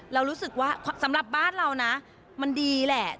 เรารู้สึกว่าสำหรับบ้านเรานะมันดีแหละ